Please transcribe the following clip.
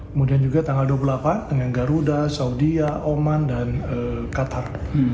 kemudian juga tanggal dua puluh delapan dengan garuda saudi oman dan qatar